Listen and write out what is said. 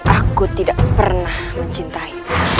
aku tidak pernah mencintai